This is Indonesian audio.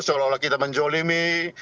seolah olah kita menjolimi